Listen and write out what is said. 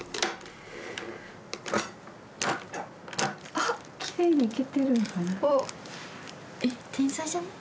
あっきれいにいけてるんじゃない？